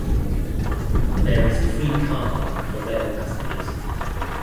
There is a free car park for rail passengers.